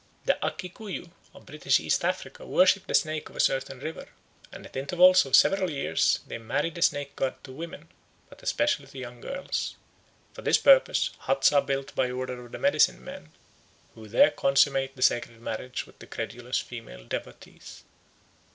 The Akikuyu of British East Africa worship the snake of a certain river, and at intervals of several years they marry the snake god to women, but especially to young girls. For this purpose huts are built by order of the medicine men, who there consummate the sacred marriage with the credulous female devotees.